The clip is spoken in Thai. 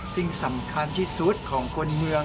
สิ่งสำคัญที่สุดของคนเมือง